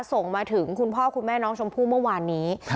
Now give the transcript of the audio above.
ส่งมาถึงคุณพ่อคุณแม่น้องชมพู่เมื่อวานนี้